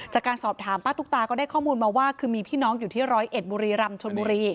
จากการสอบถามป้าตุ๊กตาก็ได้ข้อมูลมาว่าคือมีพี่น้องอยู่ที่ร้อยเอ็ดบุรีรำชนบุรี